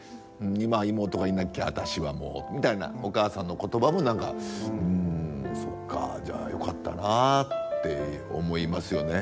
今は妹がいなきゃ私はもうみたいなお母さんの言葉も何かうんそっかじゃあよかったなあって思いますよね。